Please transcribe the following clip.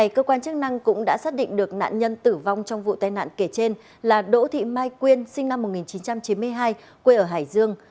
cơ quan chức năng cũng đã xác định được nạn nhân tử vong trong vụ tai nạn kể trên là đỗ thị mai quyên sinh năm một nghìn chín trăm chín mươi hai quê ở hải dương